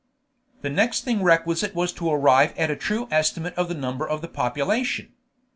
The next thing requisite was to arrive at a true estimate of the number of the population.